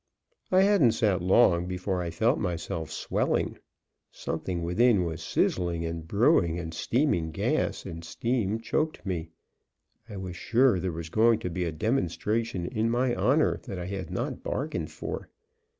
I hadn't sat long before I felt myself swelling. Something within was sizzling and brewing and steaming; gas and steam choked me. I was sure there was going to be a demonstration in my honor that I had not bargained for.